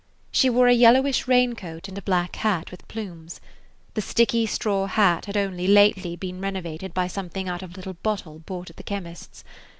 She wore a yellowish raincoat and a black hat with plumes. The sticky straw hat had only lately been renovated by something out of a little bottle bought at the chemist's.